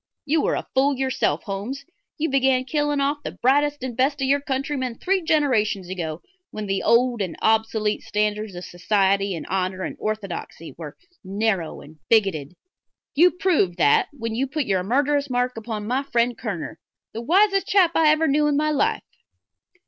You are a fool yourself, Holmes; you began killing off the brightest and best of our countrymen three generations ago, when the old and obsolete standards of society and honor and orthodoxy were narrow and bigoted. You proved that when you put your murderous mark upon my friend Kerner the wisest chap I ever knew in my life."